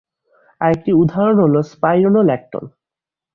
আরেকটি উদাহরণ হল স্পাইরোনোল্যাকটোন।